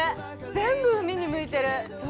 全部海に向いてる。